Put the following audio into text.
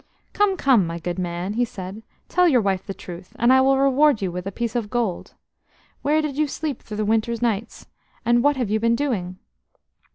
"Come, come, my good man," he said, "tell your wife the truth, and I will reward you with a piece of gold. Where did you sleep through the winter nights, and what have you been doing?"